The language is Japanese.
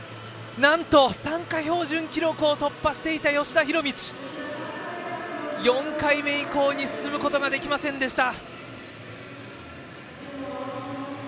参加標準記録を突破していた吉田弘道は４回目以降に進むことができませんでした。